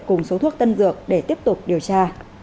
cùng số thuốc tân dược để tiếp tục điều tra